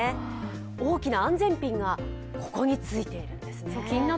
大きな安全ピンがここについているんですね。